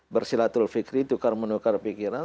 bersilatul fikri tukar menukar pikiran